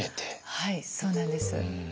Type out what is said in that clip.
はいそうなんです。